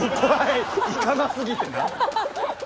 行かなすぎてな。